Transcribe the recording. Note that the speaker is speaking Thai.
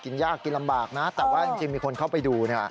ยากกินลำบากนะแต่ว่าจริงมีคนเข้าไปดู